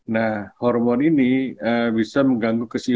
nah hormon ini bisa mengganggu kesehatan